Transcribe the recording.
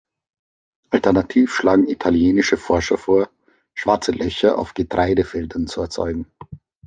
Alternativ schlagen italienische Forscher vor, Schwarze Löcher auf Getreidefeldern zu erzeugen.